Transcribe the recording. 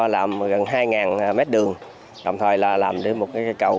làm gần hai mét đường đồng thời là làm để một cây cầu